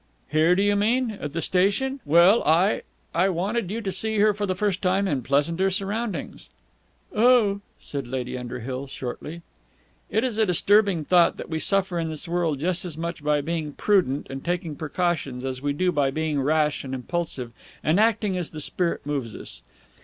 "Here, do you mean? At the station? Well, I I wanted you to see her for the first time in pleasanter surroundings." "Oh!" said Lady Underhill shortly. It is a disturbing thought that we suffer in this world just as much by being prudent and taking precautions as we do by being rash and impulsive and acting as the spirit moves us.